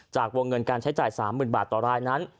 จากวงเงินการใช้จ่าย๓๐๐๐บาทต่อรายนั้น